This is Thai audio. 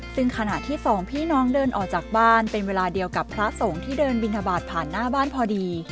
ซึ่งขณะที่สองพี่น้องเดินออกจากบ้านเป็นเวลาเดียวกับพระสงฆ์ที่เดินบินทบาทผ่านหน้าบ้านพอดี